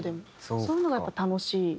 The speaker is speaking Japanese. そういうのがやっぱ楽しいですね。